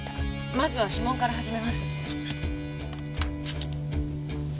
まずは指紋から始めます。